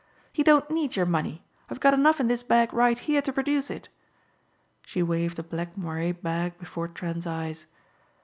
"He don't need your money. I've got enough in this bag right here to produce it." She waived a black moiré bag before Trent's eyes.